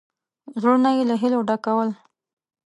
زړونه یې له هیلو ډکول.